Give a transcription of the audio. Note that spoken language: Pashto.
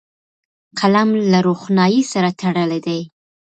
قلم له روښنايي سره تړلی دی